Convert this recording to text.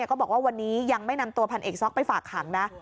ก็บอกว่าวันนี้ยังไม่นำตัวพันเอกซ็อกไปฝากขังนะ